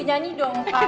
nyanyi dong pak